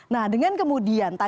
nah dengan kemudian